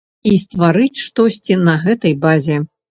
І стварыць штосьці на гэтай базе.